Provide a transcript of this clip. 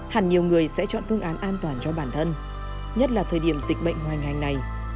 hẳn nhiều người sẽ chọn phương án an toàn cho bản thân nhất là thời điểm dịch bệnh hoành hành này